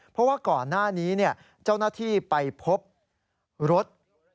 เพราะว่าก่อนหน้านี้เจ้าหน้าที่ไปพบรถ